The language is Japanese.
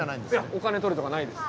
お金取るとかないです。